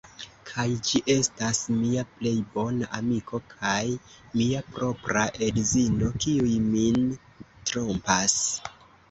Kaj ĝi estas mia plej bona amiko kaj mia propra edzino, kiuj min trompas!